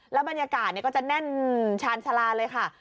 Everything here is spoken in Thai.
บรรยากาศก็จะแน่นชาญชาลาเลยค่ะ